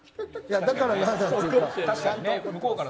だから何なんっていうか。